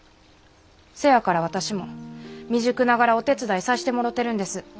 せやから私も未熟ながらお手伝いさしてもろてるんです。